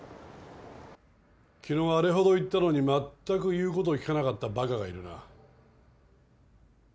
昨日あれほど言ったのにまったく言うことを聞かなかったバカがいるな。